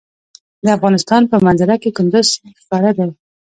د افغانستان په منظره کې کندز سیند ښکاره دی.